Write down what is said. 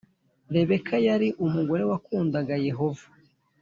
Rebeka yari umugore wakundaga Yehova